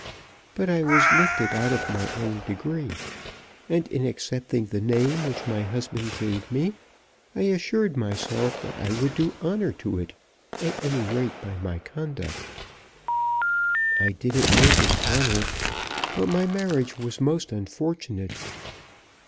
But I was lifted out of my own degree, and in accepting the name which my husband gave me I assured myself that I would do honour to it, at any rate by my conduct. I did it no dishonour; but my marriage was most unfortunate."